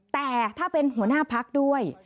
แต่ถ้าเป็นหัวหน้าพักด้วย